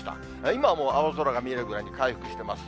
今はもう青空が見えるぐらいに回復してます。